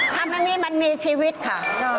ทำแบบนี้มันมีชีวิตค่ะ